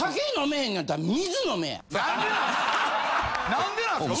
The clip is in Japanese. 何でなんですか！